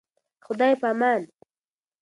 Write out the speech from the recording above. خداي پامان.